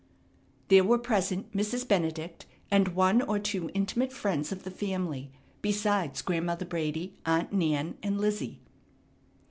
There were present Mrs. Benedict and one or two intimate friends of the family, besides Grandmother Brady, Aunt Nan, and Lizzie.